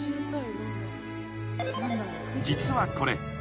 ［実はこれ］